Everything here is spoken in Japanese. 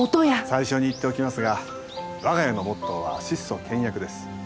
最初に言っておきますが我が家のモットーは質素倹約です。